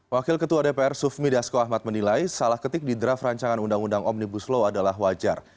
wakil ketua dpr sufmi dasko ahmad menilai salah ketik di draft rancangan undang undang omnibus law adalah wajar